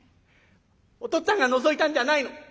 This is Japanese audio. お父っつぁんがのぞいたんじゃないの。